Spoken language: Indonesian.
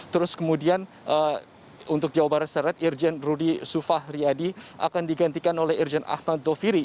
terus kemudian untuk jawa barat seret irjen rudy sufah riyadi akan digantikan oleh irjen ahmad doviri